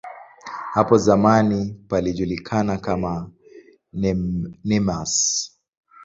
Hapo zamani palijulikana kama "Nemours".